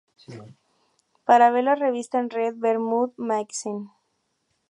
Para ver la revista en red ver Mute Magazine